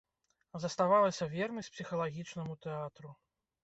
Заставалася вернасць псіхалагічнаму тэатру.